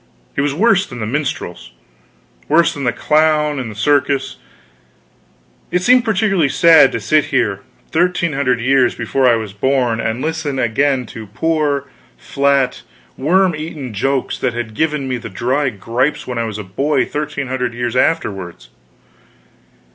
He was worse than the minstrels, worse than the clown in the circus. It seemed peculiarly sad to sit here, thirteen hundred years before I was born, and listen again to poor, flat, worm eaten jokes that had given me the dry gripes when I was a boy thirteen hundred years afterwards.